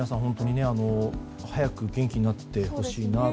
本当に早く元気になってほしい。